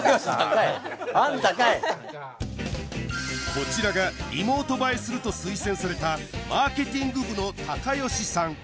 こちらがリモート映えすると推薦されたマーケティング部の高吉さん